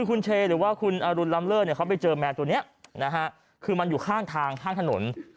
คุณเชหรือว่าคุณอรุณล้ำเลิศเขาไปเจอแมวตัวนี้นะฮะคือมันอยู่ข้างทางข้างถนน